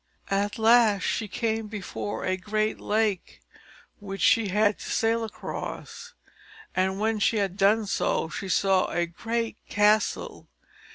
At last she came before a great lake, which she had to sail across, and when she had done so she saw a great castle.